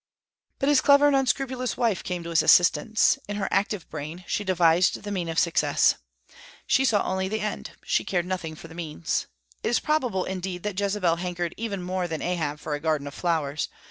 But his clever and unscrupulous wife came to his assistance. In her active brain she devised the means of success. She saw only the end; she cared nothing for the means. It is probable, indeed, that Jezebel hankered even more than Ahab for a garden of flowers.